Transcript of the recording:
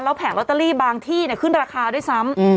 แผงลอตเตอรี่บางที่ขึ้นราคาด้วยซ้ำ